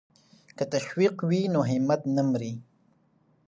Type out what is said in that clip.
که تشویق وي نو همت نه مري.